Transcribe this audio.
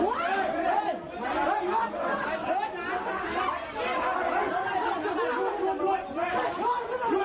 หลายเป็นอองซานสามารถโดยน่าจะได้ไม่เห็นรัฐศัตรูสี่